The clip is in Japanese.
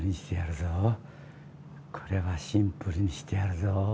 これはシンプルにしてやるぞ。